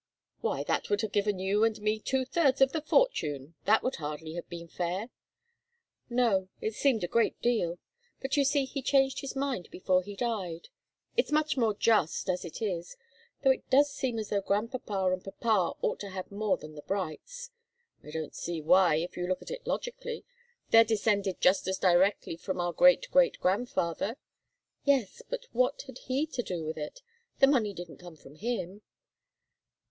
"Why, that would have given you and me two thirds of the fortune! That would hardly have been fair." "No it seemed a great deal. But you see he changed his mind before he died. It's much more just, as it is though it does seem as though grandpapa and papa ought to have more than the Brights." "I don't see why, if you look at it logically they're descended just as directly from our great great grandfather " "Yes but what had he to do with it? The money didn't come from him."